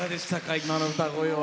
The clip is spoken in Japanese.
今の歌声は。